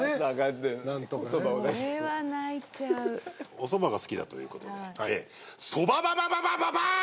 おそばが好きだということでそばばばばばばーん！！